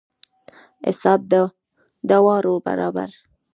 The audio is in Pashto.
حساب د دواړو برابر.